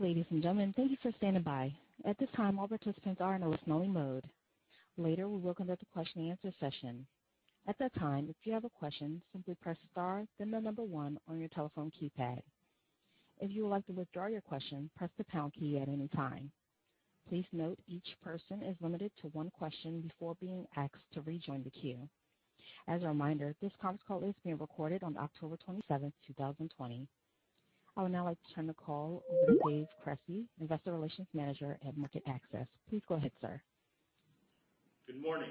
Ladies and gentlemen, thank you for standing by. At this time, all participants are in a listening mode. Later, we will conduct a question-and-answer session. At that time, if you have a question, simply press star then the number one on your telephone keypad. If you would like to withdraw your question, press the pound key at any time. Please note each person is limited to one question before being asked to rejoin the queue. As a reminder, this conference call is being recorded on October 27th, 2020. I would now like to turn the call over to Dave Cresci, Investor Relations Manager at MarketAxess. Please go ahead, Sir. Good morning,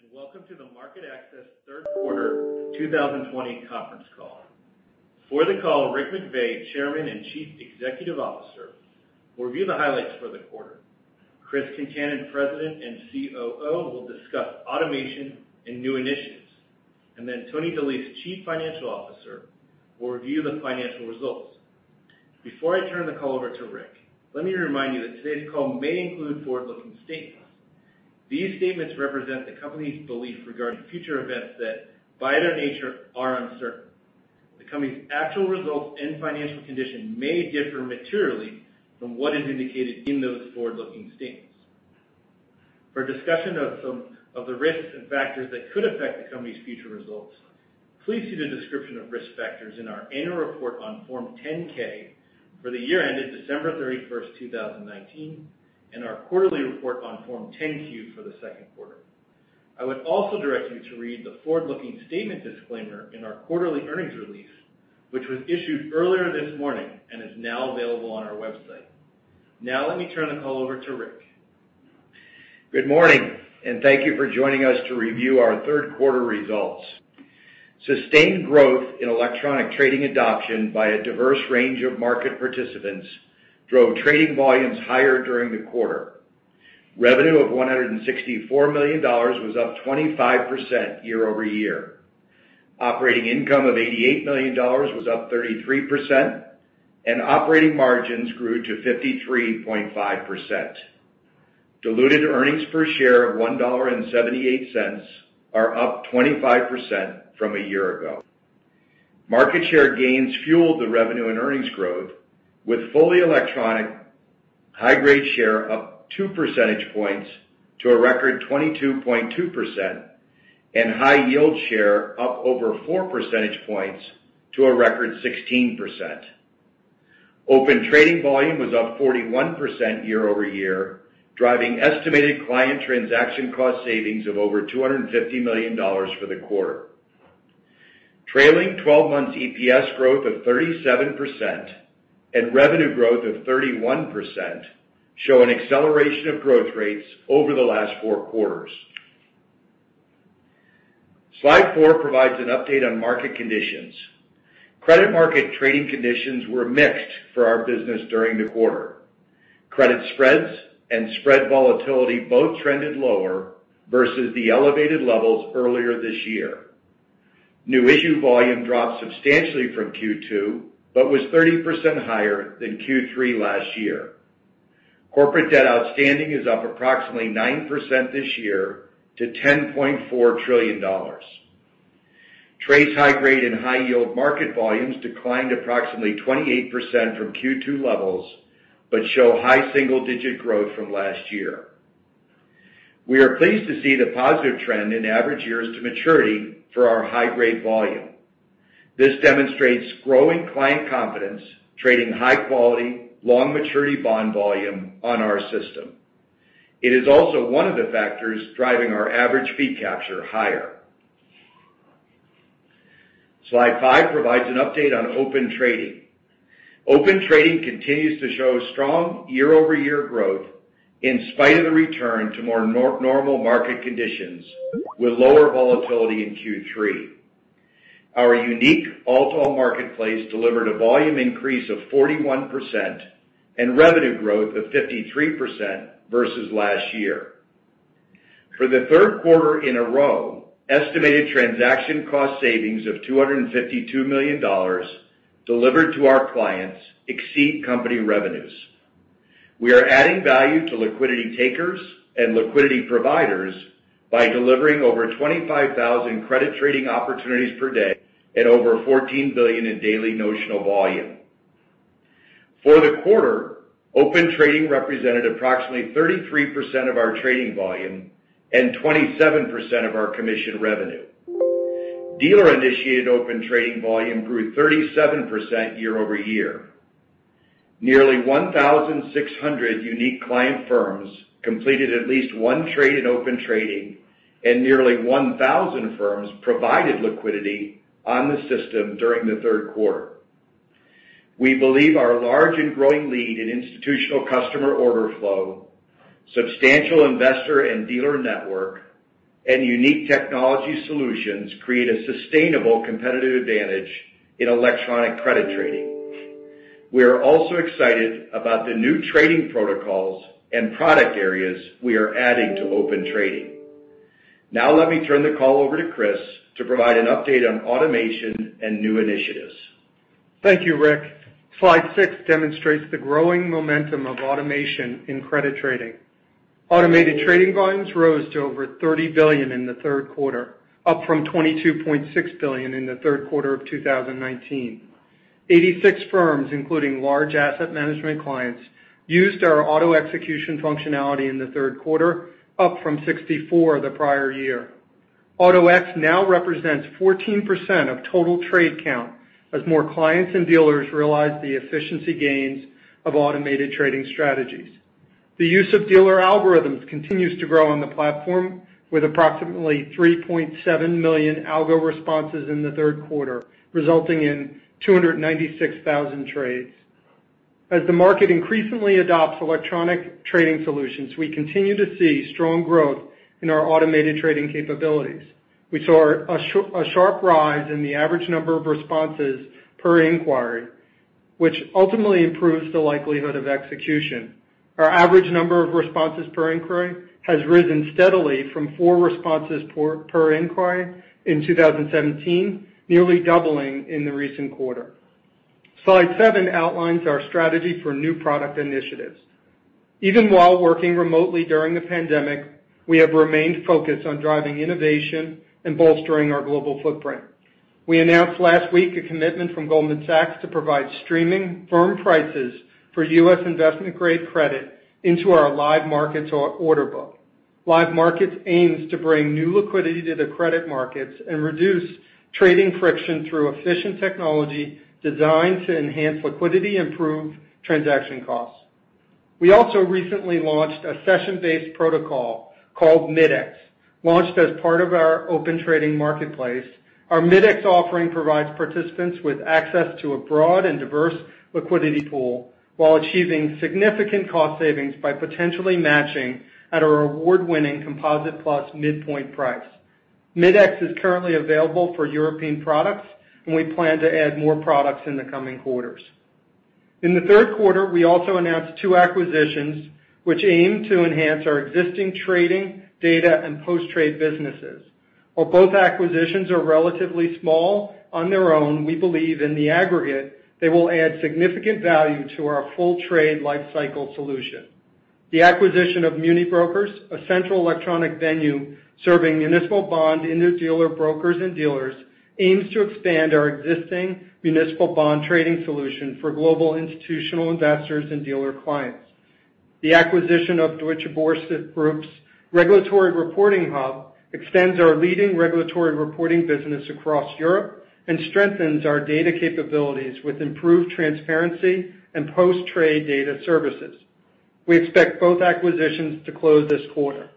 and welcome to the MarketAxess Third Quarter 2020 conference call. For the call, Rick McVey, Chairman and Chief Executive Officer, will review the highlights for the quarter. Chris Concannon, President and COO, will discuss automation and new initiatives. Tony DeLise, Chief Financial Officer, will review the financial results. Before I turn the call over to Rick, let me remind you that today's call may include forward-looking statements. These statements represent the company's belief regarding future events that, by their nature, are uncertain. The company's actual results and financial condition may differ materially from what is indicated in those forward-looking statements. For a discussion of some of the risks and factors that could affect the company's future results, please see the description of risk factors in our annual report on Form 10-K for the year ended December 31st, 2019, and our quarterly report on Form 10-Q for the second quarter. I would also direct you to read the forward-looking statement disclaimer in our quarterly earnings release, which was issued earlier this morning and is now available on our website. Now let me turn the call over to Rick. Good morning, and thank you for joining us to review our third quarter results. Sustained growth in electronic trading adoption by a diverse range of market participants drove trading volumes higher during the quarter. Revenue of $164 million was up 25% year-over-year. Operating income of $88 million was up 33%, and operating margins grew to 53.5%. Diluted earnings per share of $1.78 are up 25% from a year ago. Market share gains fueled the revenue and earnings growth with fully electronic high-grade share up two percentage points to a record 22.2%, and high yield share up over four percentage points to a record 16%. Open Trading volume was up 41% year-over-year, driving estimated client transaction cost savings of over $250 million for the quarter. Trailing 12 months EPS growth of 37% and revenue growth of 31% show an acceleration of growth rates over the last four quarters. Slide four provides an update on market conditions. Credit market trading conditions were mixed for our business during the quarter. Credit spreads and spread volatility both trended lower versus the elevated levels earlier this year. New issue volume dropped substantially from Q2, but was 30% higher than Q3 last year. Corporate debt outstanding is up approximately 9% this year to $10.4 trillion. TRACE high-grade and high-yield market volumes declined approximately 28% from Q2 levels but show high single-digit growth from last year. We are pleased to see the positive trend in average years to maturity for our high-grade volume. This demonstrates growing client confidence, trading high quality, long maturity bond volume on our system. It is also one of the factors driving our average fee capture higher. Slide five provides an update on Open Trading. Open Trading continues to show strong year-over-year growth in spite of the return to more normal market conditions with lower volatility in Q3. Our unique all-to-all marketplace delivered a volume increase of 41% and revenue growth of 53% versus last year. For the third quarter in a row, estimated transaction cost savings of $252 million delivered to our clients exceed company revenues. We are adding value to liquidity takers and liquidity providers by delivering over 25,000 credit trading opportunities per day at over $14 billion in daily notional volume. For the quarter, Open Trading represented approximately 33% of our trading volume and 27% of our commission revenue. Dealer-initiated Open Trading volume grew 37% year-over-year. Nearly 1,600 unique client firms completed at least one trade in Open Trading, and nearly 1,000 firms provided liquidity on the system during the third quarter. We believe our large and growing lead in institutional customer order flow, substantial investor and dealer network, and unique technology solutions create a sustainable competitive advantage in electronic credit trading. We are also excited about the new trading protocols and product areas we are adding to Open Trading. Now let me turn the call over to Chris to provide an update on automation and new initiatives. Thank you, Rick. Slide six demonstrates the growing momentum of automation in credit trading. Automated trading volumes rose to over $30 billion in the third quarter, up from $22.6 billion in the third quarter of 2019. 86 firms, including large asset management clients, used our Auto-X functionality in the third quarter, up from 64 the prior year. Auto-X now represents 14% of total trade count as more clients and dealers realize the efficiency gains of automated trading strategies. The use of dealer algorithms continues to grow on the platform, with approximately 3.7 million algo responses in the third quarter, resulting in 296,000 trades. As the market increasingly adopts electronic trading solutions, we continue to see strong growth in our automated trading capabilities. We saw a sharp rise in the average number of responses per inquiry, which ultimately improves the likelihood of execution. Our average number of responses per inquiry has risen steadily from four responses per inquiry in 2017, nearly doubling in the recent quarter. Slide seven outlines our strategy for new product initiatives. Even while working remotely during the pandemic, we have remained focused on driving innovation and bolstering our global footprint. We announced last week a commitment from Goldman Sachs to provide streaming firm prices for U.S. investment-grade credit into our Live Markets order book. Live Markets aims to bring new liquidity to the credit markets and reduce trading friction through efficient technology designed to enhance liquidity and improve transaction costs. We also recently launched a session-based protocol called Mid-X. Launched as part of our Open Trading marketplace, our Mid-X offering provides participants with access to a broad and diverse liquidity pool while achieving significant cost savings by potentially matching at our award-winning Composite+ midpoint price. Mid-X is currently available for European products, and we plan to add more products in the coming quarters. In the third quarter, we also announced two acquisitions, which aim to enhance our existing trading, data, and post-trade businesses. While both acquisitions are relatively small on their own, we believe in the aggregate, they will add significant value to our full trade lifecycle solution. The acquisition of MuniBrokers, a central electronic venue serving municipal bond interdealer brokers and dealers, aims to expand our existing municipal bond trading solution for global institutional investors and dealer clients. The acquisition of Deutsche Börse Group's Regulatory Reporting Hub extends our leading regulatory reporting business across Europe and strengthens our data capabilities with improved transparency and post-trade data services. We expect both acquisitions to close this quarter.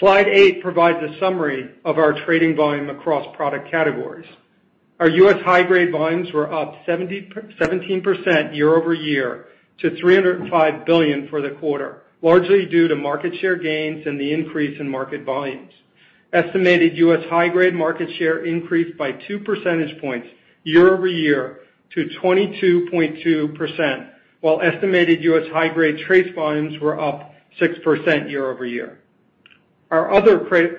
Slide eight provides a summary of our trading volume across product categories. Our U.S. high-grade volumes were up 17% year-over-year to $305 billion for the quarter, largely due to market share gains and the increase in market volumes. Estimated U.S. high-grade market share increased by two percentage points year-over-year to 22.2%, while estimated U.S. high-grade TRACE volumes were up 6% year-over-year. Our other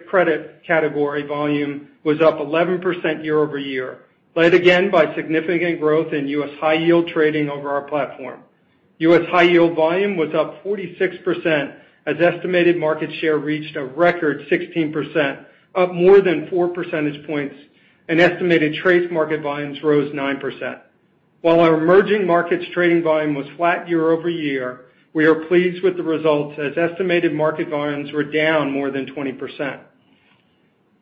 credit category volume was up 11% year-over-year, led again by significant growth in U.S. high-yield trading over our platform. U.S. high-yield volume was up 46% as estimated market share reached a record 16%, up more than four percentage points, and estimated TRACE market volumes rose 9%. While our emerging markets trading volume was flat year-over-year, we are pleased with the results, as estimated market volumes were down more than 20%.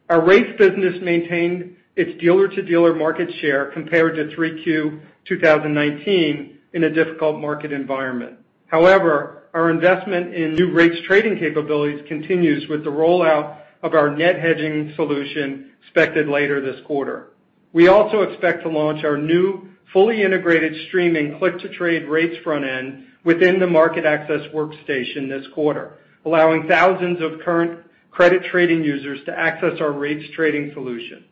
Our rates business maintained its dealer-to-dealer market share compared to Q3 2019 in a difficult market environment. However, our investment in new rates trading capabilities continues with the rollout of our net hedging solution expected later this quarter. We also expect to launch our new fully integrated streaming click-to-trade rates front end within the MarketAxess workstation this quarter, allowing thousands of current credit trading users to access our rates trading solution.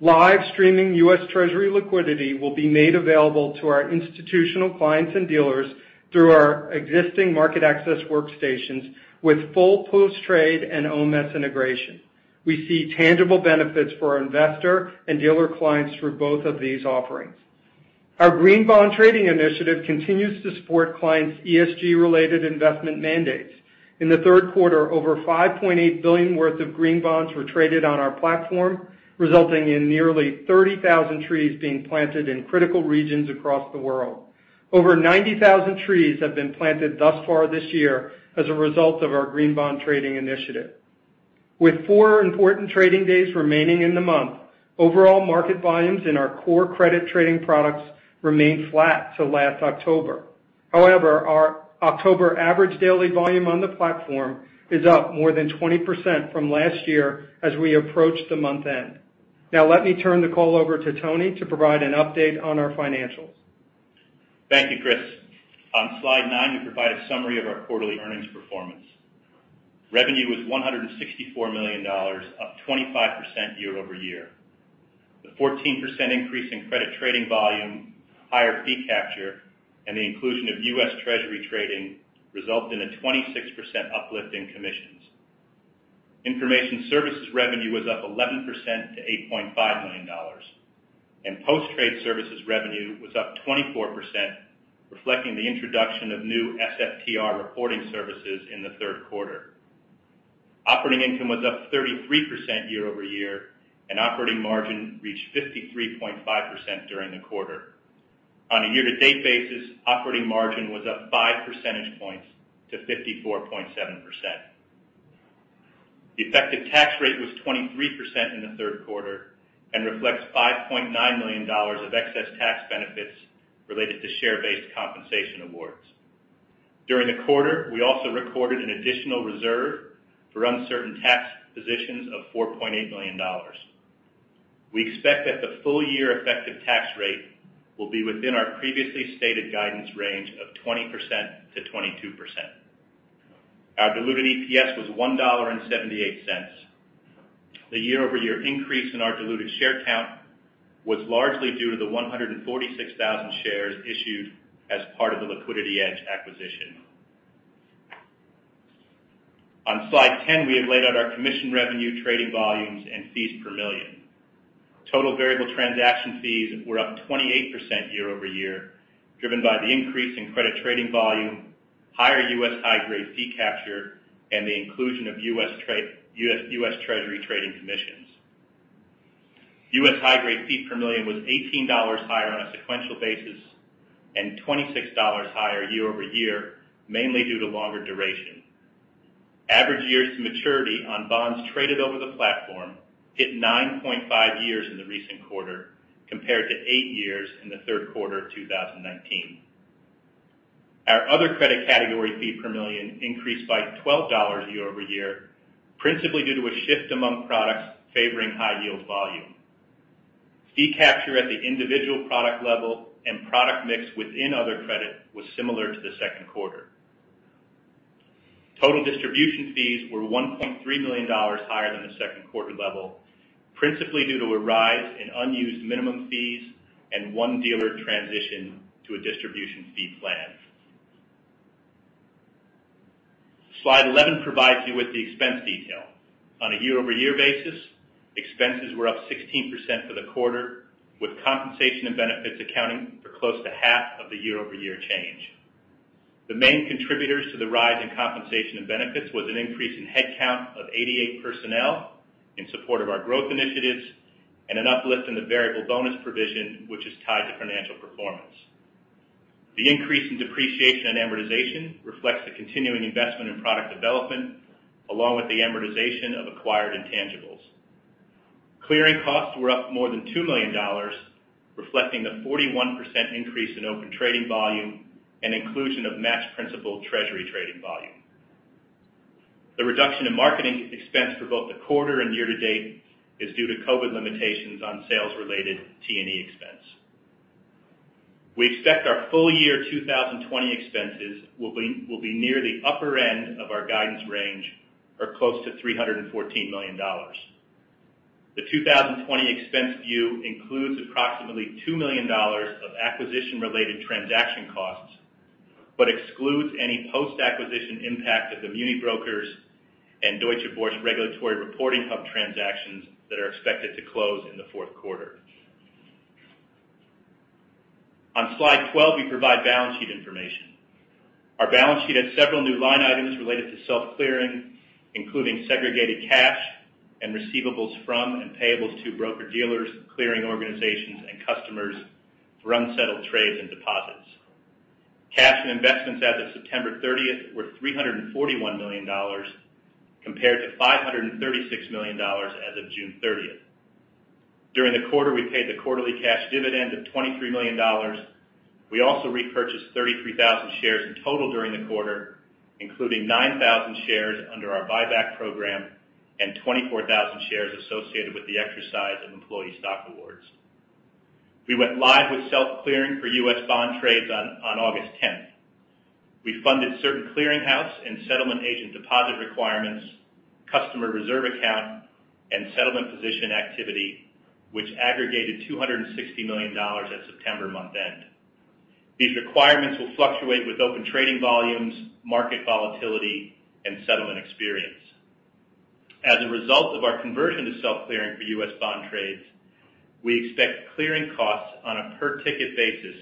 Live streaming U.S. Treasury liquidity will be made available to our institutional clients and dealers through our existing MarketAxess workstations with full post-trade and OMS integration. We see tangible benefits for our investor and dealer clients through both of these offerings. Our green bond trading initiative continues to support clients' ESG-related investment mandates. In the third quarter, over $5.8 billion worth of green bonds were traded on our platform, resulting in nearly 30,000 trees being planted in critical regions across the world. Over 90,000 trees have been planted thus far this year as a result of our green bond trading initiative. With four important trading days remaining in the month, overall market volumes in our core credit trading products remain flat to last October. However, our October average daily volume on the platform is up more than 20% from last year as we approach the month end. Now, let me turn the call over to Tony to provide an update on our financials. Thank you, Chris. On slide nine, we provide a summary of our quarterly earnings performance. Revenue was $164 million, up 25% year-over-year. The 14% increase in credit trading volume, higher fee capture, and the inclusion of U.S. Treasury trading resulted in a 26% uplift in commissions. Information services revenue was up 11% to $8.5 million. Post-trade services revenue was up 24%, reflecting the introduction of new SFTR reporting services in the third quarter. Operating income was up 33% year-over-year, and operating margin reached 53.5% during the quarter. On a year-to-date basis, operating margin was up five percentage points to 54.7%. The effective tax rate was 23% in the third quarter and reflects $5.9 million of excess tax benefits related to share-based compensation awards. During the quarter, we also recorded an additional reserve for uncertain tax positions of $4.8 million. We expect that the full year effective tax rate will be within our previously stated guidance range of 20%-22%. Our diluted EPS was $1.78. The year-over-year increase in our diluted share count was largely due to the 146,000 shares issued as part of the LiquidityEdge acquisition. On slide 10, we have laid out our commission revenue, trading volumes, and fees per million. Total variable transaction fees were up 28% year-over-year, driven by the increase in credit trading volume, higher U.S. high-grade fee capture, and the inclusion of U.S. Treasury trading commissions. U.S. high-grade fee per million was $18 higher on a sequential basis and $26 higher year-over-year, mainly due to longer duration. Average years to maturity on bonds traded over the platform hit 9.5 years in the recent quarter, compared to eight years in the third quarter of 2019. Our other credit category fee per million increased by $12 year-over-year, principally due to a shift among products favoring high yield volume. Fee capture at the individual product level and product mix within other credit was similar to the second quarter. Total distribution fees were $1.3 million higher than the second quarter level, principally due to a rise in unused minimum fees and one dealer transition to a distribution fee plan. Slide 11 provides you with the expense detail. On a year-over-year basis, expenses were up 16% for the quarter, with compensation and benefits accounting for close to 1/2 of the year-over-year change. The main contributors to the rise in compensation and benefits was an increase in headcount of 88 personnel in support of our growth initiatives and an uplift in the variable bonus provision, which is tied to financial performance. The increase in depreciation and amortization reflects the continuing investment in product development, along with the amortization of acquired intangibles. Clearing costs were up more than $2 million, reflecting the 41% increase in Open Trading volume and inclusion of matched principal Treasury trading volume. The reduction in marketing expense for both the quarter and year to date is due to COVID limitations on sales-related T&E expense. We expect our full year 2020 expenses will be near the upper end of our guidance range, or close to $314 million. The 2020 expense view includes approximately $2 million of acquisition-related transaction costs, but excludes any post-acquisition impact of the MuniBrokers and Deutsche Börse Regulatory Reporting Hub transactions that are expected to close in the fourth quarter. On slide 12, we provide balance sheet information. Our balance sheet has several new line items related to self-clearing, including segregated cash and receivables from and payables to broker-dealers, clearing organizations, and customers for unsettled trades and deposits. Cash and investments as of September 30th were $341 million, compared to $536 million as of June 30th. During the quarter, we paid the quarterly cash dividend of $23 million. We also repurchased 33,000 shares in total during the quarter, including 9,000 shares under our buyback program and 24,000 shares associated with the exercise of employee stock awards. We went live with self-clearing for U.S. bond trades on August 10th. We funded certain clearing house and settlement agent deposit requirements, customer reserve account, and settlement position activity, which aggregated $260 million at September month-end. These requirements will fluctuate with Open Trading volumes, market volatility, and settlement experience. As a result of our conversion to self-clearing for U.S. bond trades, we expect clearing costs on a per-ticket basis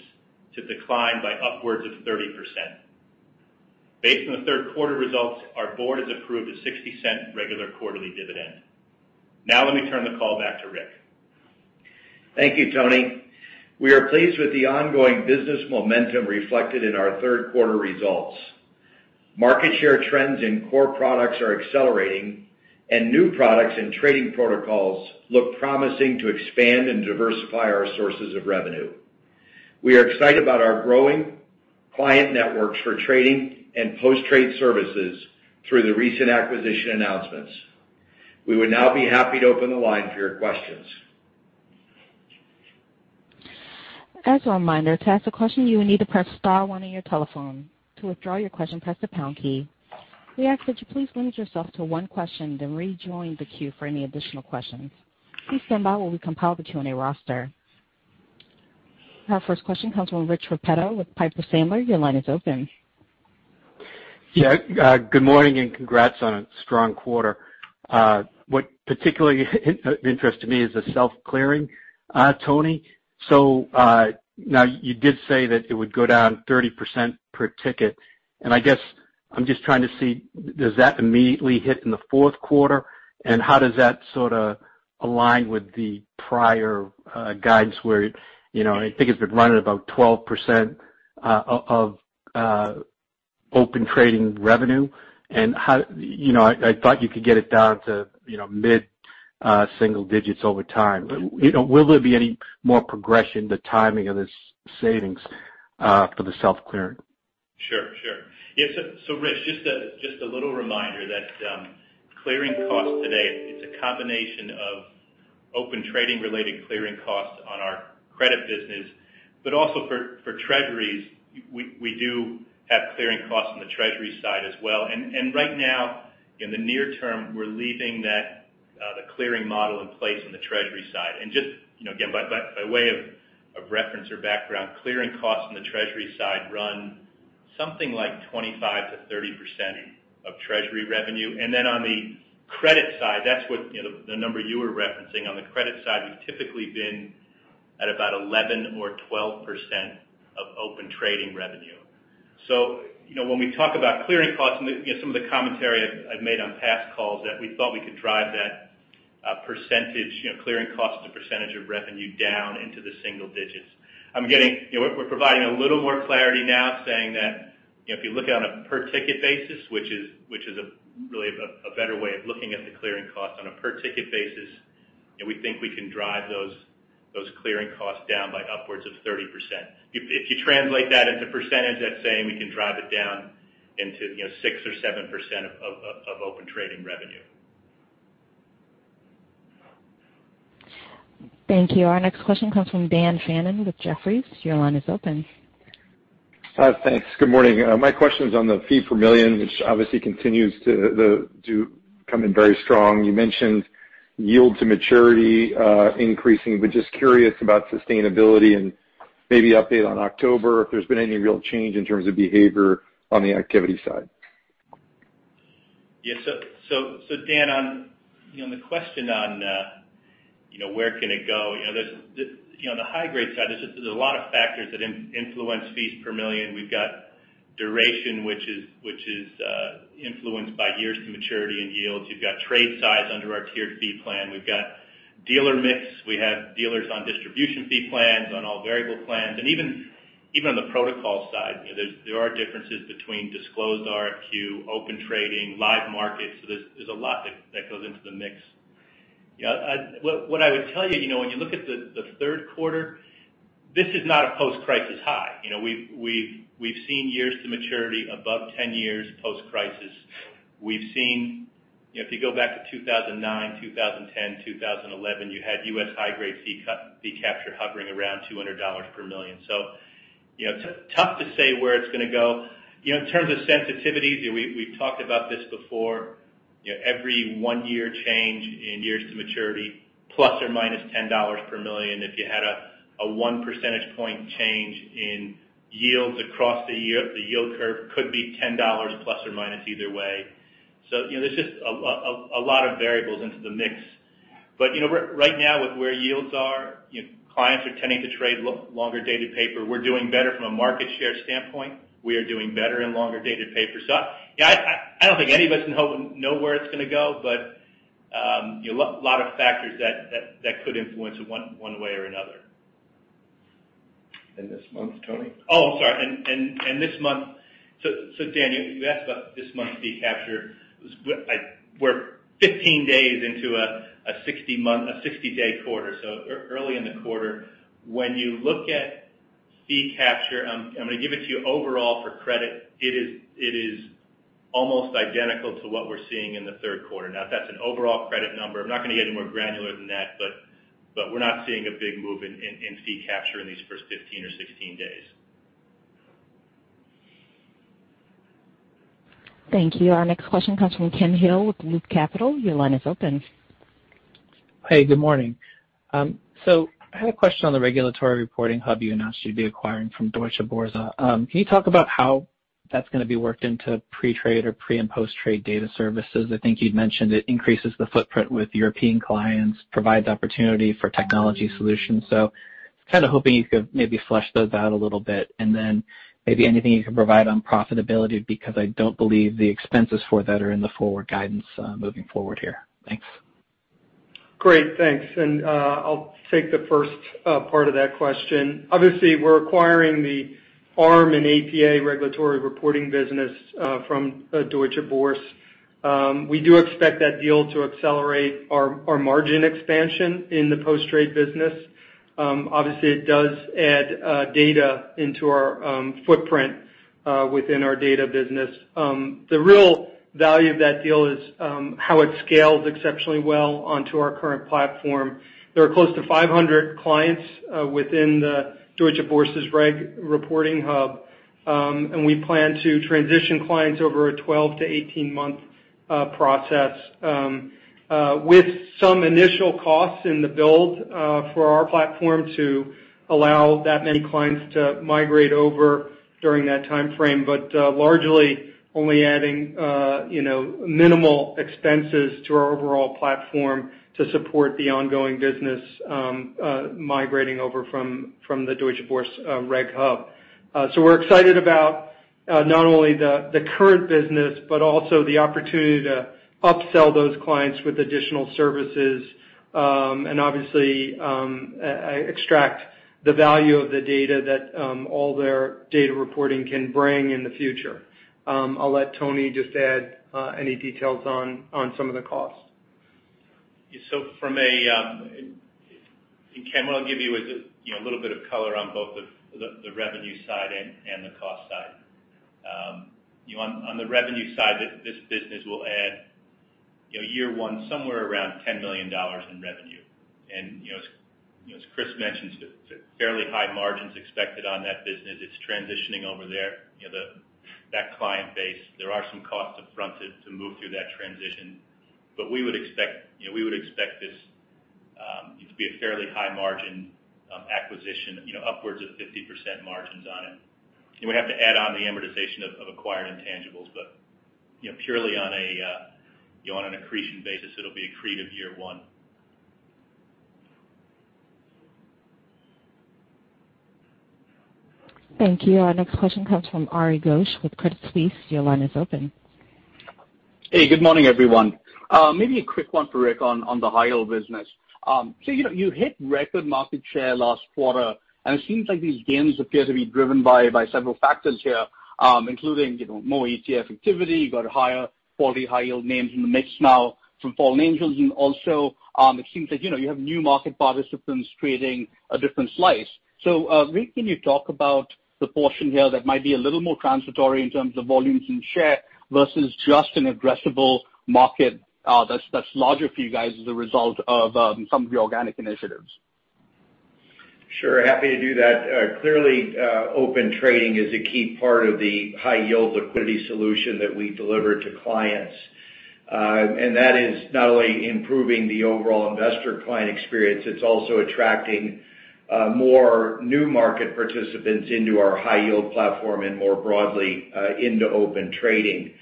to decline by upwards of 30%. Based on the third quarter results, our board has approved a $0.60 regular quarterly dividend. Now let me turn the call back to Rick. Thank you, Tony. We are pleased with the ongoing business momentum reflected in our third quarter results. Market share trends in core products are accelerating, and new products and trading protocols look promising to expand and diversify our sources of revenue. We are excited about our growing client networks for trading and post-trade services through the recent acquisition announcements. We would now be happy to open the line for your questions. As a reminder, to ask a question, you will need to press star one on your telephone. To withdraw your question, press the pound key. We ask that you please limit yourself to one question, then rejoin the queue for any additional questions. Please stand by while we compile the Q&A roster. Our first question comes from Rich Repetto with Piper Sandler. Your line is open. Yeah. Good morning and congrats on a strong quarter. What particularly interests me is the self-clearing, Tony. Now you did say that it would go down 30% per ticket, and I guess I'm just trying to see, does that immediately hit in the fourth quarter? How does that sort of align with the prior guidance where, I think it's been running about 12% of Open Trading revenue. I thought you could get it down to mid-single digits over time. Will there be any more progression, the timing of this savings for the self-clearing? Sure. Rich, just a little reminder that clearing costs today, it's a combination of Open Trading-related clearing costs on our credit business, but also for Treasuries, we do have clearing costs on the Treasury side as well. Right now, in the near term, we're leaving the clearing model in place on the Treasury side. Just, again, by way of reference or background, clearing costs on the Treasury side run something like 25%-30% of Treasury revenue. On the credit side, that's the number you were referencing. On the credit side, we've typically been at about 11% or 12% of Open Trading revenue. When we talk about clearing costs and some of the commentary I've made on past calls, that we thought we could drive that clearing cost as a percentage of revenue down into the single digits. We're providing a little more clarity now saying that, if you look on a per ticket basis, which is really a better way of looking at the clearing cost on a per ticket basis, we think we can drive those clearing costs down by upwards of 30%. If you translate that into percentage, that's saying we can drive it down into 6% or 7% of Open Trading revenue. Thank you. Our next question comes from Dan Fannon with Jefferies. Your line is open. Thanks. Good morning. My question is on the fee per million, which obviously continues to come in very strong. You mentioned yield to maturity increasing, just curious about sustainability and maybe update on October if there's been any real change in terms of behavior on the activity side. Yeah. Dan, on the question on where can it go? On the high grade side, there's a lot of factors that influence fees per million. We've got duration, which is influenced by years to maturity and yields. You've got trade size under our tiered fee plan. We've got dealer mix. We have dealers on distribution fee plans, on all variable plans, and even on the protocol side, there are differences between disclosed RFQ, Open Trading, Live Markets. There's a lot that goes into the mix. What I would tell you, when you look at the third quarter, this is not a post-crisis high. We've seen years to maturity above 10 years post-crisis. If you go back to 2009, 2010, 2011, you had U.S. high-grade fee capture hovering around $200 per million. Tough to say where it's going to go. In terms of sensitivities, we've talked about this before. Every one-year change in years to maturity, ±$10 per million if you had a one percentage point change in yields across the yield curve could be $10± either way. There's just a lot of variables into the mix. Right now, with where yields are, clients are tending to trade longer-dated paper. We're doing better from a market share standpoint. We are doing better in longer-dated paper. I don't think any of us know where it's going to go, but a lot of factors that could influence it one way or another. This month, Tony? Oh, I'm sorry. This month Dan, you asked about this month's fee capture. We're 15 days into a 60-day quarter, early in the quarter. When you look at fee capture, I'm going to give it to you overall for credit. It is almost identical to what we're seeing in the third quarter. That's an overall credit number. I'm not going to get any more granular than that, but we're not seeing a big move in fee capture in these first 15 or 16 days. Thank you. Our next question comes from Ken Hill with Loop Capital. Your line is open. Hey, good morning. I had a question on the Regulatory Reporting Hub you announced you'd be acquiring from Deutsche Börse. Can you talk about how that's going to be worked into pre-trade or pre- and post-trade data services? I think you'd mentioned it increases the footprint with European clients, provides opportunity for technology solutions. Kind of hoping you could maybe flesh those out a little bit and then maybe anything you can provide on profitability, because I don't believe the expenses for that are in the forward guidance moving forward here. Thanks. Great, thanks. I'll take the first part of that question. Obviously, we're acquiring the ARM and APA regulatory reporting business from Deutsche Börse. We do expect that deal to accelerate our margin expansion in the post-trade business. Obviously, it does add data into our footprint within our data business. The real value of that deal is how it scales exceptionally well onto our current platform. There are close to 500 clients within the Deutsche Börse's reg reporting hub. We plan to transition clients over a 12-18-month process with some initial costs in the build for our platform to allow that many clients to migrate over during that timeframe. Largely only adding minimal expenses to our overall platform to support the ongoing business migrating over from the Deutsche Börse Reg Hub. We're excited about not only the current business, but also the opportunity to upsell those clients with additional services, and obviously, extract the value of the data that all their data reporting can bring in the future. I'll let Tony just add any details on some of the costs. Ken, what I'll give you is just a little bit of color on both the revenue side and the cost side. On the revenue side, this business will add year one somewhere around $10 million in revenue. As Chris mentioned, fairly high margins expected on that business. It's transitioning over there, that client base. There are some costs up front to move through that transition. We would expect this to be a fairly high margin acquisition, upwards of 50% margins on it. You would have to add on the amortization of acquired intangibles. Purely on an accretion basis, it'll be accretive year one. Thank you. Our next question comes from Ari Ghosh with Credit Suisse. Your line is open. Hey, good morning, everyone. Maybe a quick one for Rick on the high yield business. You hit record market share last quarter, and it seems like these gains appear to be driven by several factors here, including more ETF activity. You've got higher quality, high yield names in the mix now from fallen angels, and also it seems like you have new market participants creating a different slice. Rick, can you talk about the portion here that might be a little more transitory in terms of volumes and share versus just an addressable market that's larger for you guys as a result of some of the organic initiatives? Sure, happy to do that. Clearly, Open Trading is a key part of the high yield liquidity solution that we deliver to clients. That is not only improving the overall investor-client experience, it's also attracting more new market participants into our high yield platform and more broadly into Open Trading.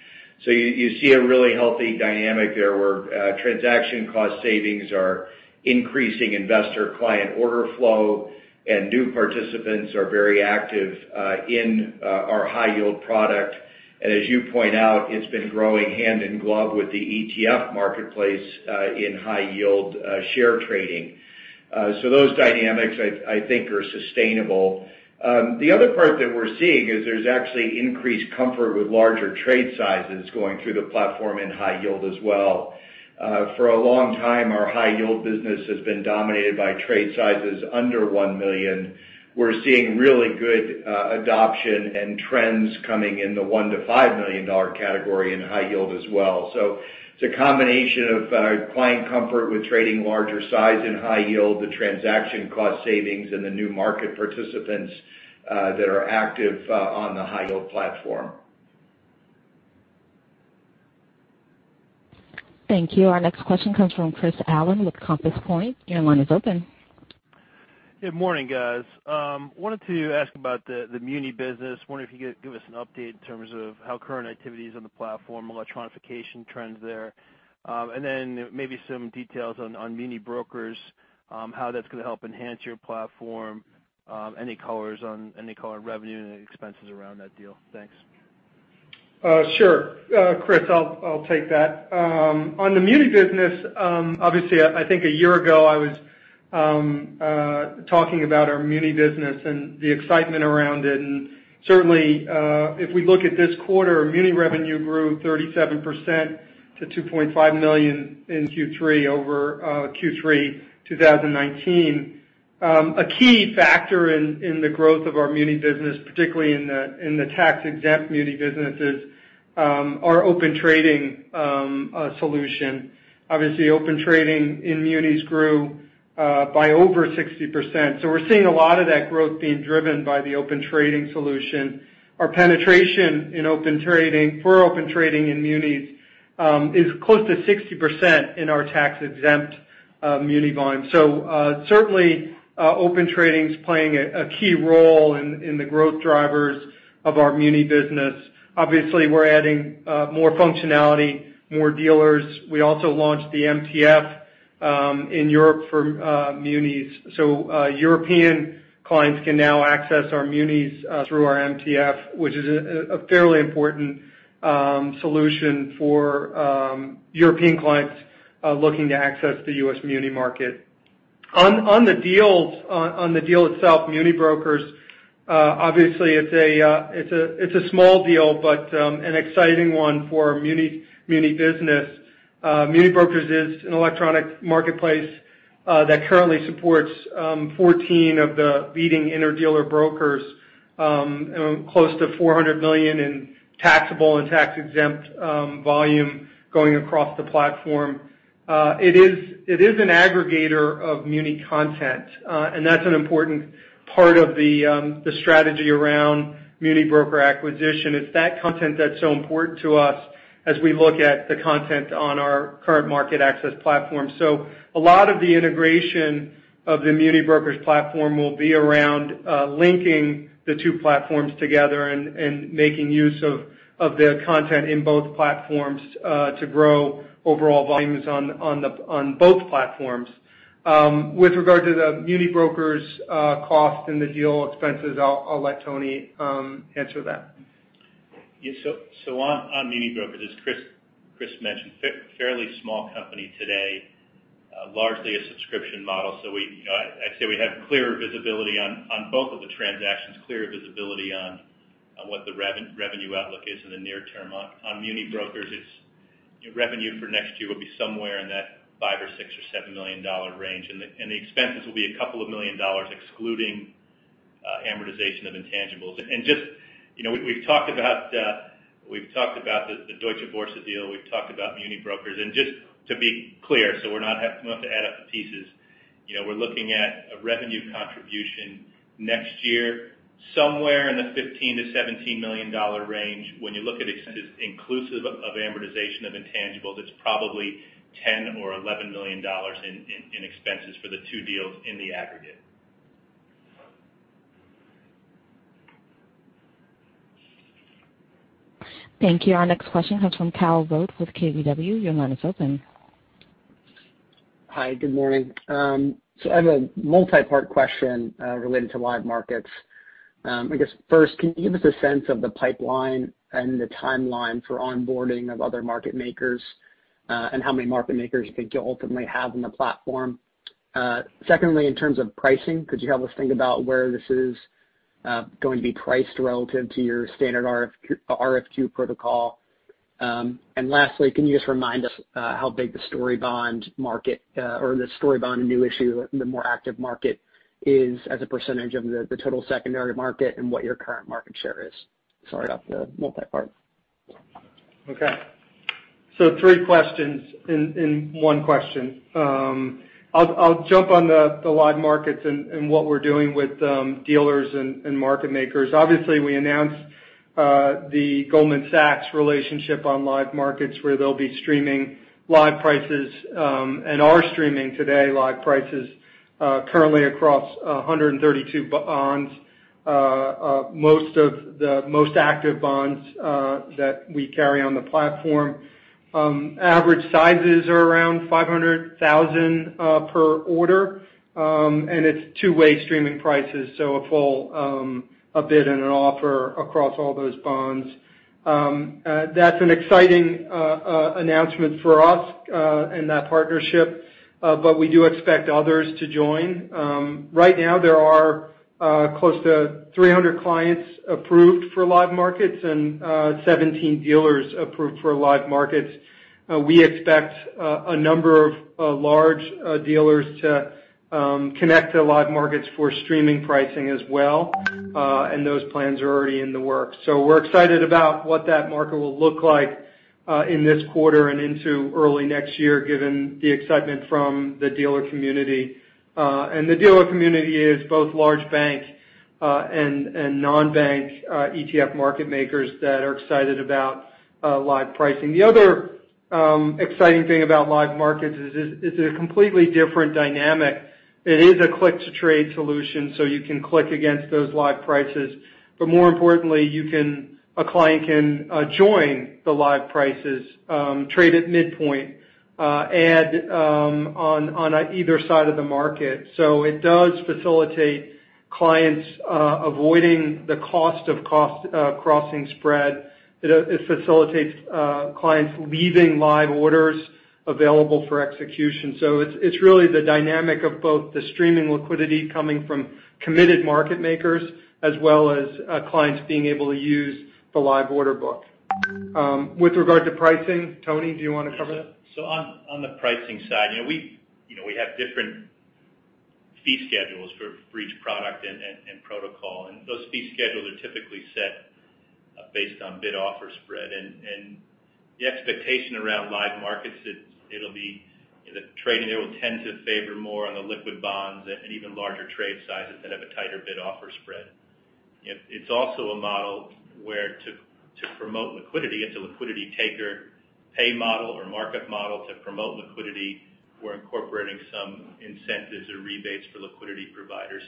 You see a really healthy dynamic there where transaction cost savings are increasing investor client order flow and new participants are very active in our high yield product. As you point out, it's been growing hand in glove with the ETF marketplace in high yield share trading. Those dynamics, I think, are sustainable. The other part that we're seeing is there's actually increased comfort with larger trade sizes going through the platform in high yield as well. For a long time, our high yield business has been dominated by trade sizes under $1 million. We're seeing really good adoption and trends coming in the $1 million-$5 million category in high yield as well. It's a combination of client comfort with trading larger size in high yield, the transaction cost savings, and the new market participants that are active on the high yield platform. Thank you. Our next question comes from Chris Allen with Compass Point. Your line is open. Good morning, guys. Wanted to ask about the muni business. Wondering if you could give us an update in terms of how current activities on the platform, electronification trends there. Maybe some details on MuniBrokers, how that's going to help enhance your platform. Any color on revenue and expenses around that deal? Thanks. Sure. Chris, I'll take that. On the muni business, obviously, I think a year ago, I was talking about our muni business and the excitement around it, certainly, if we look at this quarter, muni revenue grew 37% to $2.5 million in Q3 over Q3 2019. A key factor in the growth of our muni business, particularly in the tax-exempt muni businesses, our Open Trading solution. Open Trading in munis grew by over 60%. We're seeing a lot of that growth being driven by the Open Trading solution. Our penetration for Open Trading in munis is close to 60% in our tax-exempt muni bonds. Certainly, Open Trading's playing a key role in the growth drivers of our muni business. We're adding more functionality, more dealers. We also launched the MTF in Europe for munis. European clients can now access our munis through our MTF, which is a fairly important solution for European clients looking to access the U.S. muni market. On the deal itself, MuniBrokers, obviously it's a small deal, but an exciting one for our muni business. MuniBrokers is an electronic marketplace that currently supports 14 of the leading inter-dealer brokers, close to $400 million in taxable and tax-exempt volume going across the platform. It is an aggregator of muni content. That's an important part of the strategy around MuniBrokers acquisition. It's that content that's so important to us as we look at the content on our current MarketAxess platform. A lot of the integration of the MuniBrokers platform will be around linking the two platforms together and making use of the content in both platforms, to grow overall volumes on both platforms. With regard to the MuniBrokers cost and the deal expenses, I'll let Tony answer that. On MuniBrokers, as Chris mentioned, fairly small company today, largely a subscription model. I'd say we have clearer visibility on both of the transactions, clearer visibility on what the revenue outlook is in the near term. On MuniBrokers, its revenue for next year will be somewhere in that $5 million or $6 million or $7 million range. The expenses will be a $2 million, excluding amortization of intangibles. We've talked about the Deutsche Börse deal. We've talked about MuniBrokers, just to be clear, we don't have to add up the pieces. We're looking at a revenue contribution next year, somewhere in the $15 million-$17 million range. When you look at expenses inclusive of amortization of intangibles, it's probably $10 million or $11 million in expenses for the two deals in the aggregate. Thank you. Our next question comes from Kyle Voigt with KBW. Your line is open. Hi, good morning. I have a multi-part question, related to Live Markets. I guess first, can you give us a sense of the pipeline and the timeline for onboarding of other market makers? How many market makers you think you'll ultimately have on the platform? Secondly, in terms of pricing, could you help us think about where this is going to be priced relative to your standard RFQ protocol? Lastly, can you just remind us, how big the story bond market, or the story bond and new issue, the more active market is as a percentage of the total secondary market, and what your current market share is? Sorry about the multi-part. Okay. Three questions in one question. I'll jump on the Live Markets and what we're doing with dealers and market makers. Obviously, we announced the Goldman Sachs relationship on Live Markets, where they'll be streaming live prices, and are streaming today live prices, currently across 132 bonds. Most of the most active bonds that we carry on the platform. Average sizes are around $500,000 per order. It's two-way streaming prices, a full bid and an offer across all those bonds. That's an exciting announcement for us, and that partnership, we do expect others to join. Right now there are close to 300 clients approved for Live Markets and 17 dealers approved for Live Markets. We expect a number of large dealers to connect to Live Markets for streaming pricing as well. Those plans are already in the works. We're excited about what that market will look like in this quarter and into early next year, given the excitement from the dealer community. The dealer community is both large banks, and non-bank ETF market makers that are excited about live pricing. The other exciting thing about Live Markets is it's a completely different dynamic. It is a click-to-trade solution, you can click against those live prices. More importantly, a client can join the live prices, trade at midpoint, add on either side of the market. It does facilitate clients avoiding the cost of crossing spread. It facilitates clients leaving live orders available for execution. It's really the dynamic of both the streaming liquidity coming from committed market makers, as well as clients being able to use the live order book. With regard to pricing, Tony, do you want to cover that? On the pricing side, we have different fee schedules for each product and protocol. Those fee schedules are typically set based on bid-offer spread. The expectation around Live Markets, the trading there will tend to favor more on the liquid bonds at an even larger trade sizes that have a tighter bid-offer spread. It's also a model where to promote liquidity, it's a liquidity taker pay model or market model to promote liquidity for incorporating some incentives or rebates for liquidity providers.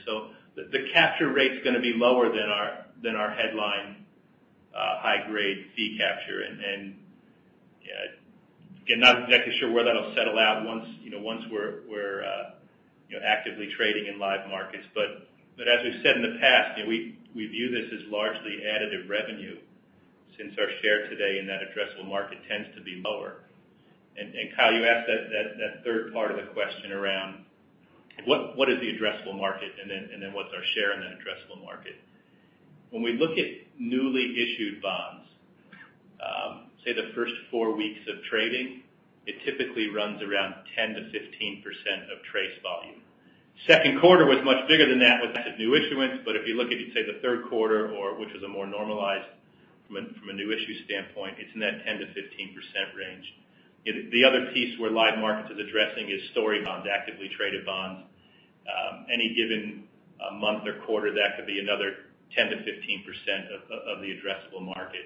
The capture rate's going to be lower than our headline high-grade fee capture. Again, not exactly sure where that'll settle out once we're actively trading in Live Markets. As we've said in the past, we view this as largely additive revenue since our share today in that addressable market tends to be lower. Kyle, you asked that third part of the question around what is the addressable market and then what's our share in that addressable market. When we look at newly issued bonds-Say the first four weeks of trading, it typically runs around 10%-15% of TRACE volume. Second quarter was much bigger than that with new issuance, but if you look at, say, the third quarter, which was more normalized from a new issue standpoint, it's in that 10%-15% range. The other piece where Live Markets is addressing is story bonds, actively traded bonds. Any given month or quarter, that could be another 10%-15% of the addressable market.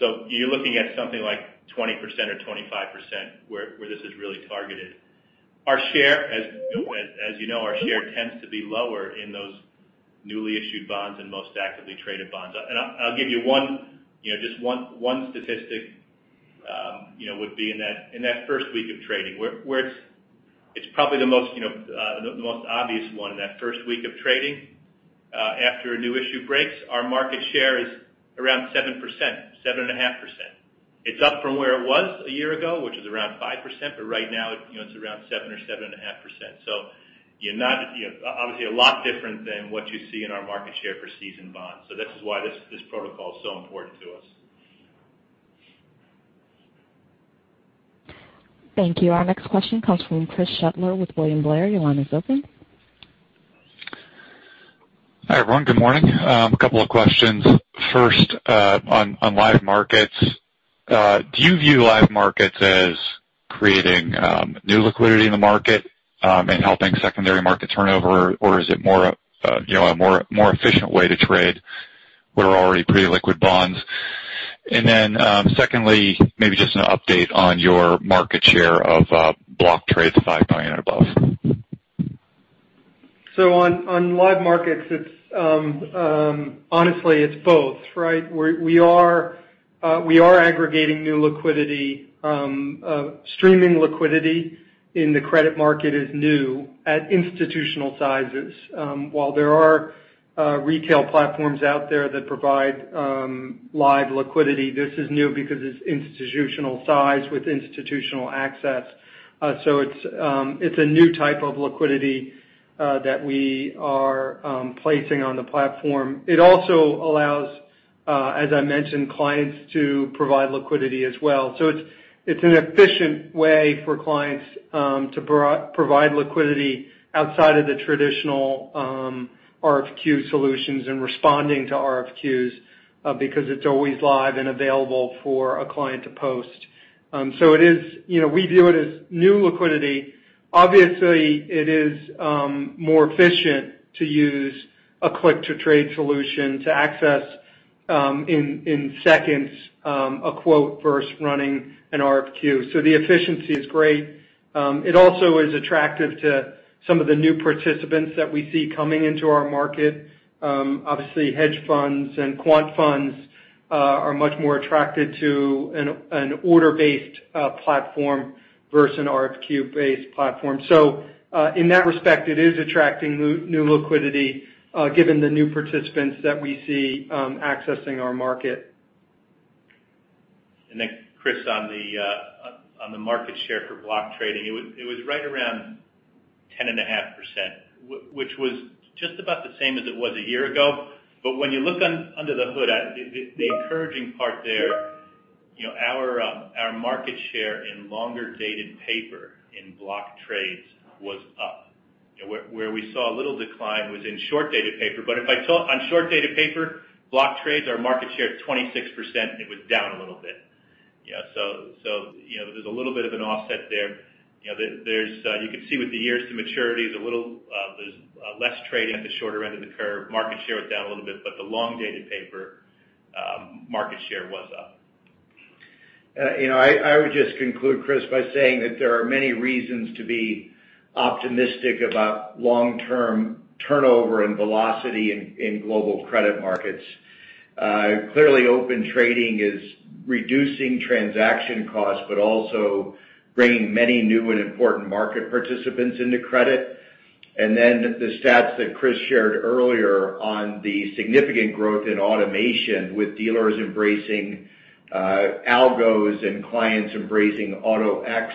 You're looking at something like 20% or 25% where this is really targeted. Our share, as you know, tends to be lower in those newly issued bonds and most actively traded bonds. I'll give you just one statistic, would be in that first week of trading, where it's probably the most obvious one, in that first week of trading. After a new issue breaks, our market share is around 7%, 7.5%. It's up from where it was a year ago, which is around 5%, but right now it's around 7% or 7.5%. Obviously, a lot different than what you see in our market share for seasoned bonds. This is why this protocol is so important to us. Thank you. Our next question comes from Chris Shutler with William Blair. Your line is open. Hi, everyone. Good morning. A couple of questions. First, on Live Markets. Do you view Live Markets as creating new liquidity in the market and helping secondary market turnover? Is it a more efficient way to trade what are already pretty liquid bonds? Secondly, maybe just an update on your market share of block trades, $5 million or above. On Live Markets, honestly, it's both, right? We are aggregating new liquidity. Streaming liquidity in the credit market is new at institutional sizes. While there are retail platforms out there that provide live liquidity, this is new because it's institutional size with institutional access. It's a new type of liquidity that we are placing on the platform. It also allows, as I mentioned, clients to provide liquidity as well. It's an efficient way for clients to provide liquidity outside of the traditional RFQ solutions and responding to RFQs because it's always live and available for a client to post. We view it as new liquidity. Obviously, it is more efficient to use a click-to-trade solution to access, in seconds, a quote versus running an RFQ. The efficiency is great. It also is attractive to some of the new participants that we see coming into our market. Obviously, hedge funds and quant funds are much more attracted to an order-based platform versus an RFQ-based platform. In that respect, it is attracting new liquidity, given the new participants that we see accessing our market. Chris, on the market share for block trading, it was right around 10.5%, which was just about the same as it was a year ago. When you look under the hood, the encouraging part there, our market share in longer-dated paper in block trades was up. Where we saw a little decline was in short-dated paper. On short-dated paper, block trades, our market share of 26%, it was down a little bit. There's a little bit of an offset there. You can see with the years to maturity, there's less trading at the shorter end of the curve. Market share was down a little bit, but the long-dated paper market share was up. I would just conclude, Chris, by saying that there are many reasons to be optimistic about long-term turnover and velocity in global credit markets. Clearly, Open Trading is reducing transaction costs but also bringing many new and important market participants into credit. The stats that Chris shared earlier on the significant growth in automation with dealers embracing algos and clients embracing Auto-X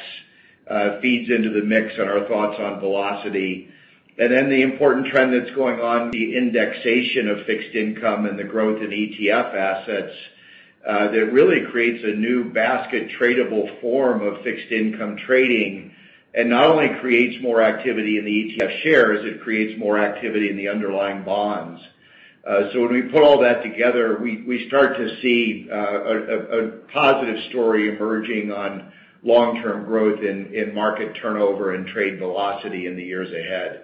feeds into the mix on our thoughts on velocity. The important trend that's going on, the indexation of fixed income and the growth in ETF assets, that really creates a new basket tradable form of fixed income trading, and not only creates more activity in the ETF shares, it creates more activity in the underlying bonds. When we put all that together, we start to see a positive story emerging on long-term growth in market turnover and trade velocity in the years ahead.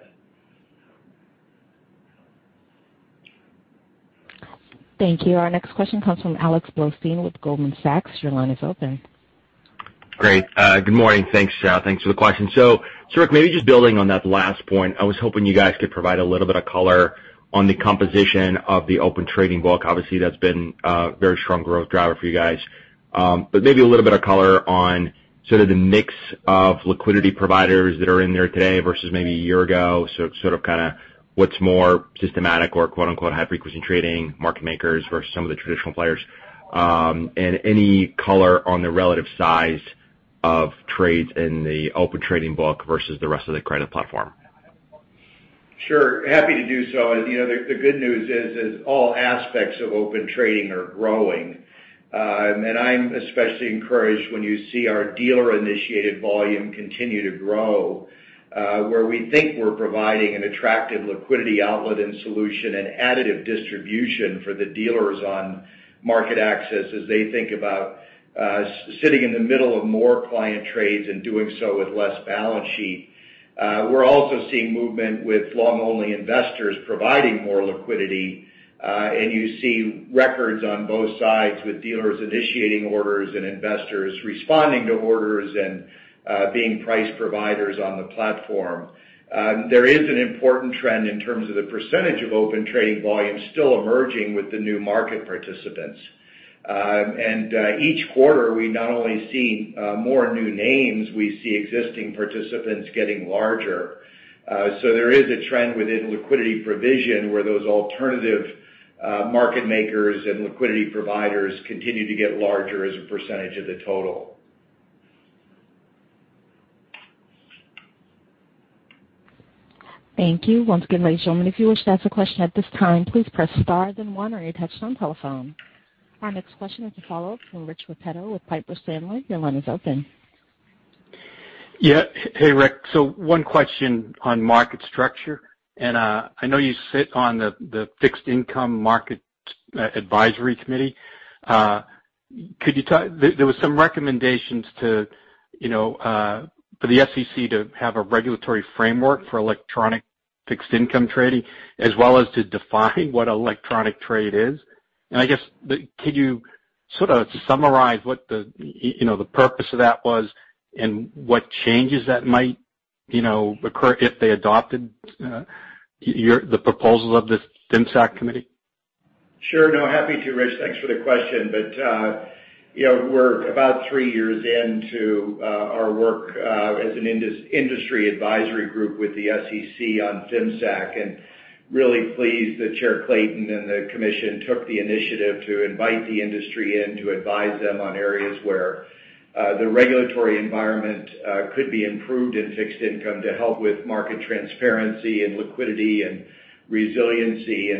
Thank you. Our next question comes from Alex Blostein with Goldman Sachs. Great. Good morning. Thanks for the question. Rick, maybe just building on that last point, I was hoping you guys could provide a little bit of color on the composition of the Open Trading book. Obviously, that's been a very strong growth driver for you guys. Maybe a little bit of color on sort of the mix of liquidity providers that are in there today versus maybe a year ago. Sort of what's more systematic or quote unquote "high-frequency trading market makers" versus some of the traditional players. Any color on the relative size of trades in the Open Trading book versus the rest of the credit platform. Sure. Happy to do so. The good news is all aspects of Open Trading are growing. I'm especially encouraged when you see our dealer-initiated volume continue to grow, where we think we're providing an attractive liquidity outlet and solution and additive distribution for the dealers on MarketAxess as they think about sitting in the middle of more client trades and doing so with less balance sheet. We're also seeing movement with long-only investors providing more liquidity, and you see records on both sides with dealers initiating orders and investors responding to orders and being price providers on the platform. There is an important trend in terms of the percentage of Open Trading volume still emerging with the new market participants. Each quarter, we not only see more new names, we see existing participants getting larger. There is a trend within liquidity provision where those alternative market makers and liquidity providers continue to get larger as a percentage of the total. Thank you. Once again ladies and gentlemen, if you wish to ask a question at this time, please press star then one on your touchstone telephone. Our next question is a follow-up from Rich Repetto with Piper Sandler. Your line is open. Yeah. Hey, Rick. One question on market structure, and I know you sit on the Fixed Income Market Structure Advisory Committee. There were some recommendations for the SEC to have a regulatory framework for electronic fixed income trading, as well as to define what electronic trade is. I guess, could you sort of summarize what the purpose of that was and what changes that might occur if they adopted the proposal of this FIMSAC committee? Sure. No, happy to, Rich. Thanks for the question. We're about three years into our work as an industry advisory group with the SEC on FIMSAC, and really pleased that Chair Clayton and the commission took the initiative to invite the industry in to advise them on areas where the regulatory environment could be improved in fixed income to help with market transparency and liquidity and resiliency.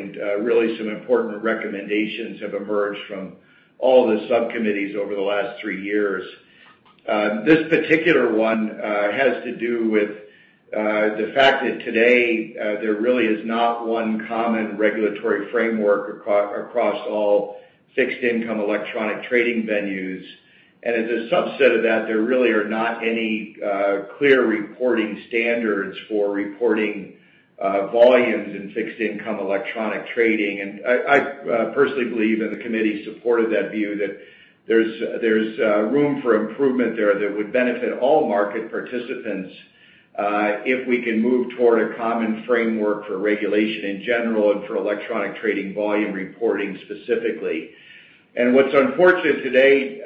Really some important recommendations have emerged from all the subcommittees over the last three years. This particular one has to do with the fact that today, there really is not one common regulatory framework across all fixed income electronic trading venues. As a subset of that, there really are not any clear reporting standards for reporting volumes in fixed income electronic trading. I personally believe, and the committee supported that view, that there's room for improvement there that would benefit all market participants, if we can move toward a common framework for regulation in general and for electronic trading volume reporting specifically. What's unfortunate today,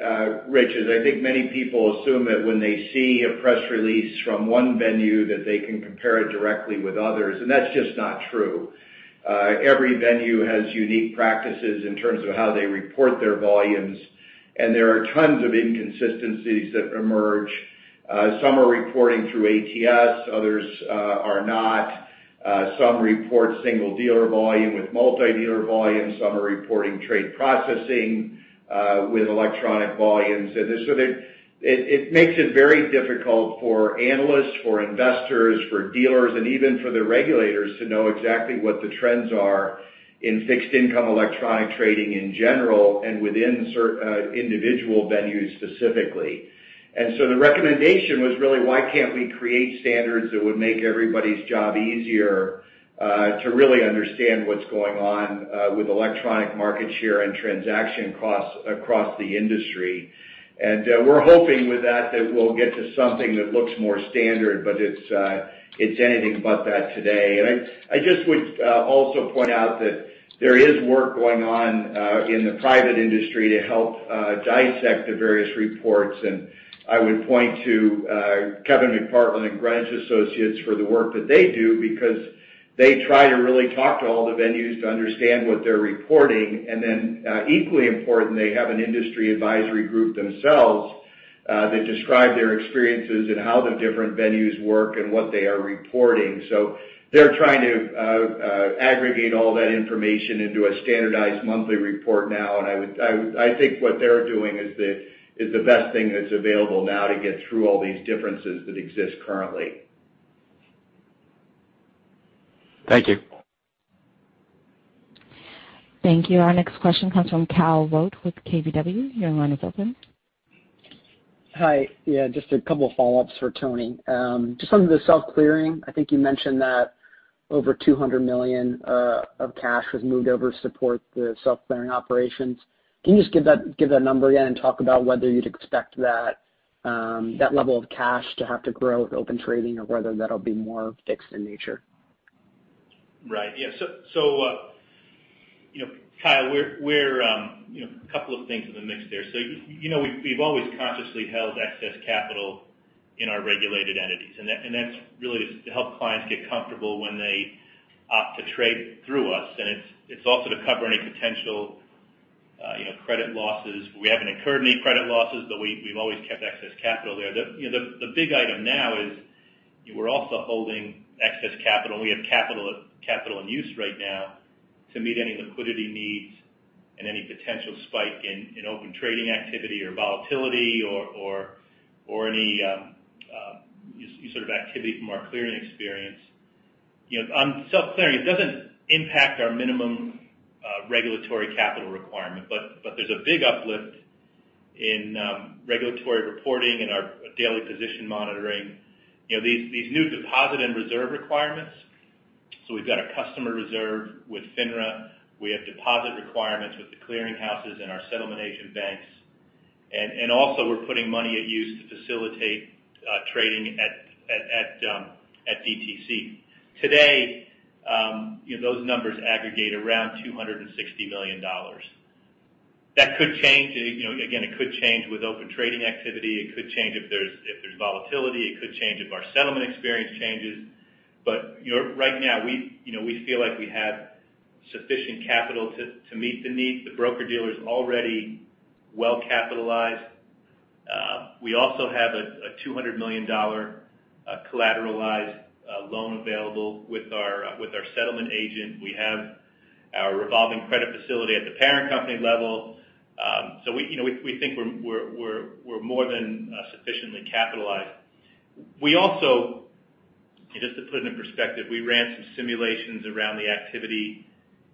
Rich, is I think many people assume that when they see a press release from one venue, that they can compare it directly with others, and that's just not true. Every venue has unique practices in terms of how they report their volumes, and there are tons of inconsistencies that emerge. Some are reporting through ATS, others are not. Some report single dealer volume with multi-dealer volume. Some are reporting trade processing with electronic volumes. It makes it very difficult for analysts, for investors, for dealers, and even for the regulators to know exactly what the trends are in fixed income electronic trading in general and within individual venues specifically. The recommendation was really, why can't we create standards that would make everybody's job easier to really understand what's going on with electronic market share and transaction costs across the industry? We're hoping with that we'll get to something that looks more standard, but it's anything but that today. I just would also point out that there is work going on in the private industry to help dissect the various reports. I would point to Kevin McPartland and Greenwich Associates for the work that they do because they try to really talk to all the venues to understand what they're reporting. Equally important, they have an industry advisory group themselves that describe their experiences and how the different venues work and what they are reporting. They're trying to aggregate all that information into a standardized monthly report now. I think what they're doing is the best thing that's available now to get through all these differences that exist currently. Thank you. Thank you. Our next question comes from Kyle Voigt with KBW. Your line is open. Hi. Yeah, just a couple of follow-ups for Tony. Just on the self-clearing, I think you mentioned that over $200 million of cash was moved over to support the self-clearing operations. Can you just give that number again and talk about whether you'd expect that level of cash to have to grow with Open Trading or whether that'll be more fixed in nature? Right. Yeah. Kyle, a couple of things in the mix there. We've always consciously held excess capital in our regulated entities, and that's really to help clients get comfortable when they opt to trade through us. It's also to cover any potential credit losses. We haven't incurred any credit losses, but we've always kept excess capital there. The big item now is we're also holding excess capital, and we have capital in use right now to meet any liquidity needs and any potential spike in Open Trading activity or volatility, or any sort of activity from our clearing experience. On self-clearing, it doesn't impact our minimum regulatory capital requirement, but there's a big uplift in regulatory reporting and our daily position monitoring. These new deposit and reserve requirements, so we've got a customer reserve with FINRA. We have deposit requirements with the clearing houses and our settlement agent banks. Also, we're putting money at use to facilitate trading at DTC. Today, those numbers aggregate around $260 million. That could change. Again, it could change with Open Trading activity. It could change if there's volatility. It could change if our settlement experience changes. Right now, we feel like we have sufficient capital to meet the needs. The broker-dealer is already well-capitalized. We also have a $200 million collateralized loan available with our settlement agent. We have our revolving credit facility at the parent company level. We think we're more than sufficiently capitalized. Just to put it in perspective, we ran some simulations around the activity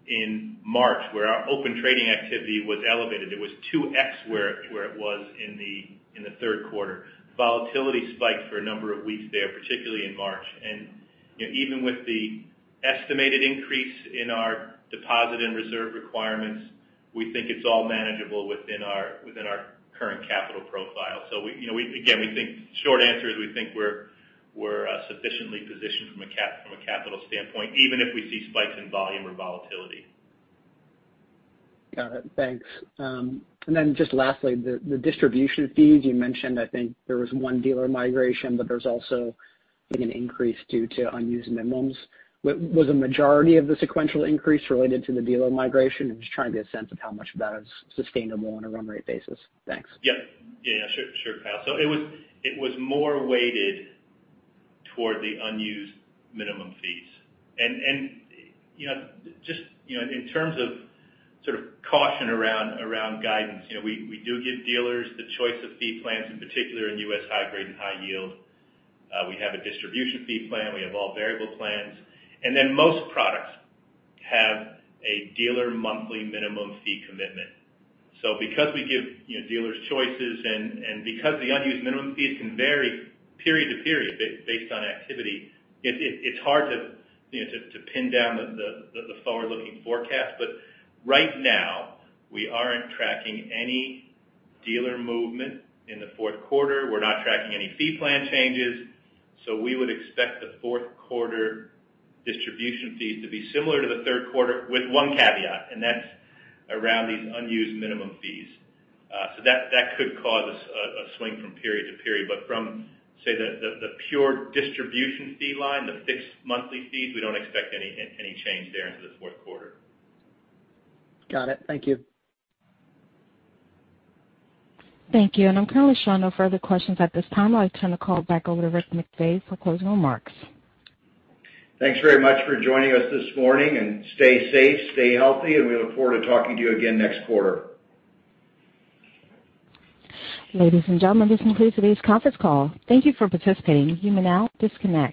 in March, where our Open Trading activity was elevated. It was 2x where it was in the third quarter. Volatility spiked for a number of weeks there, particularly in March. Even with the estimated increase in our deposit and reserve requirements, we think it's all manageable within our current capital profile. Again, short answer is we think we're sufficiently positioned from a capital standpoint, even if we see spikes in volume or volatility. Got it. Thanks. Just lastly, the distribution fees you mentioned, I think there was one dealer migration, but there's also an increase due to unused minimums. Was a majority of the sequential increase related to the dealer migration? I'm just trying to get a sense of how much of that is sustainable on a run-rate basis. Thanks. Yep. Yeah, sure, Kyle. It was more weighted toward the unused minimum fees. Just in terms of caution around guidance, we do give dealers the choice of fee plans, in particular in U.S. high-grade and high yield. We have a distribution fee plan, we have all variable plans, and then most products have a dealer monthly minimum fee commitment. Because we give dealers choices and because the unused minimum fees can vary period to period based on activity, it's hard to pin down the forward-looking forecast. Right now, we aren't tracking any dealer movement in the fourth quarter. We're not tracking any fee plan changes. We would expect the fourth quarter distribution fees to be similar to the third quarter with one caveat, and that's around these unused minimum fees. That could cause a swing from period to period. From, say, the pure distribution fee line, the fixed monthly fees, we don't expect any change their into the fourth quarter. Got it. Thank you. Thank you. I'm currently showing no further questions at this time. I'll turn the call back over to Rick McVey for closing remarks. Thanks very much for joining us this morning, and stay safe, stay healthy, and we look forward to talking to you again next quarter. Ladies and gentlemen, this concludes today's conference call. Thank you for participating. You may now disconnect.